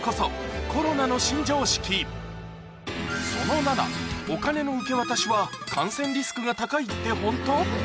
その７お金の受け渡しは感染リスクが高いってホント？